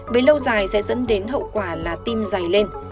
về lâu dài sẽ dẫn đến hậu quả là tim dày lên